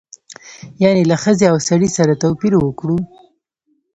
یعنې له ښځې او سړي سره توپیر وکړو.